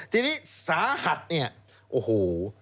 ทีนี้สาหัสเนี่ยโอ้โห